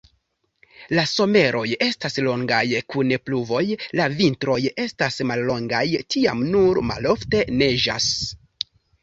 La someroj estas longaj kun pluvoj, la vintroj estas mallongaj, tiam nur malofte neĝas.